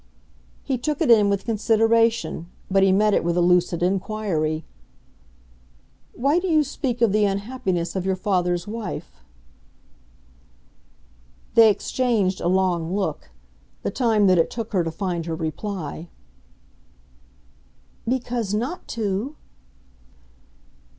He took it in with consideration, but he met it with a lucid inquiry. "Why do you speak of the unhappiness of your father's wife?" They exchanged a long look the time that it took her to find her reply. "Because not to